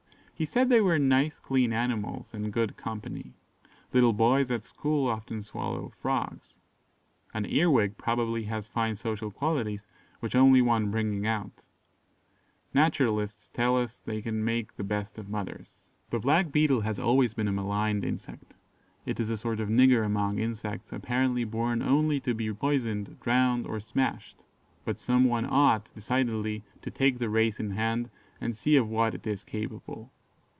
He said they were nice clean animals, and good company. Little boys at school often swallow frogs. An earwig probably has fine social qualities, which only want bringing out: naturalists tell us they make the best of mothers. The black beetle has always been a maligned insect: it is a sort of nigger among insects, apparently born only to be poisoned, drowned, or smashed; but some one ought, decidedly, to take the race in hand and see of what it is capable.